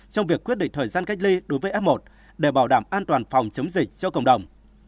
trong việc quyết định thời gian cách ly đối với f một để bảo đảm an toàn phòng chống dịch cho cộng đồng